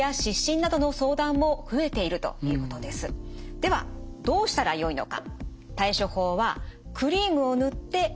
ではどうしたらよいのか。